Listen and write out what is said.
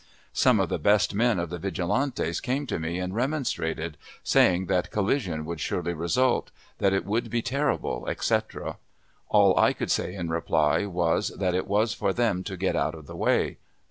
Some of the best men of the "Vigilantes" came to me and remonstrated, saying that collision would surely result; that it would be terrible, etc. All I could say in reply was, that it was for them to get out of the way.